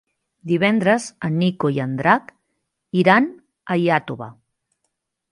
Divendres en Nico i en Drac iran a Iàtova.